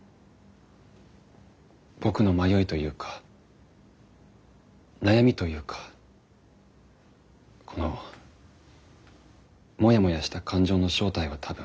僕の迷いというか悩みというかこのもやもやした感情の正体は多分。